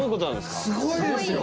すごいですよ！